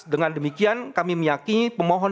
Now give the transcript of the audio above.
dengan demikian kami menyatakan